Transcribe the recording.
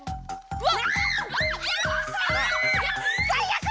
うわ！